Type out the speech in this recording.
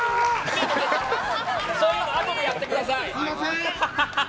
そういうのあとでやってください！